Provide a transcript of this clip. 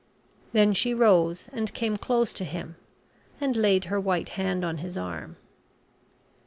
Then she rose and came close to him, and laid her white hand on his arm.